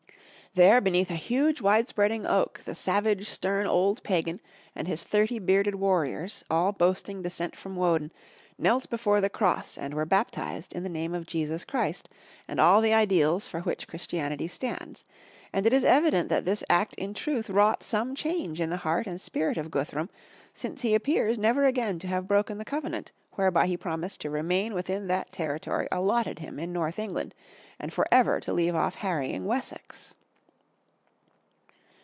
There beneath a huge wide spreading oak, the savage, stern, old pagan and his thirty bearded warriors, all boasting descent from Woden, knelt before the cross and were baptised in the name of Jesus Christ and all the ideals for which Christianity stands, and it is evident that this act in truth wrought some change in the heart and spirit of Guthrum, since he appears never again to have broken the covenant, whereby he promised to remain within that territory allotted him in North England and forever to leave off harrying Wessex.